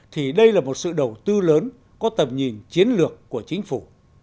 thì đây là một sự đầu tư lớn có tầm nhìn chiến lược của chính phủ